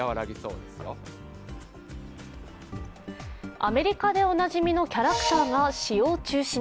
アメリカでおなじみのキャラクターが使用中止に。